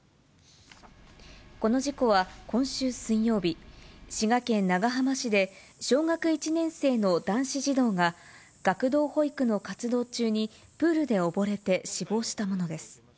この事故は今週水曜日、滋賀県長浜市で小学１年生の男子児童が、学童保育の活動中にプールで溺れて死亡したものです。